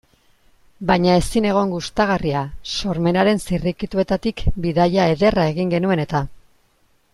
Baina ezinegon gustagarria, sormenaren zirrikituetatik bidaia ederra egin genuen eta.